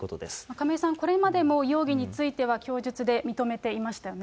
亀井さん、これまでも容疑については供述で認めていましたよね。